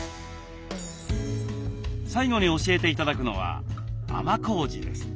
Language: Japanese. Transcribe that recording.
最後に教えて頂くのは甘こうじです。